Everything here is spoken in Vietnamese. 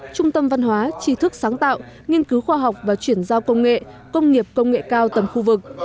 trung tâm văn hóa trí thức sáng tạo nghiên cứu khoa học và chuyển giao công nghệ công nghiệp công nghệ cao tầm khu vực